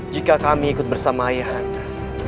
jika kami ikut bersama ayahan